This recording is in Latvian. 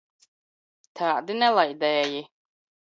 Tādi nelaidēji!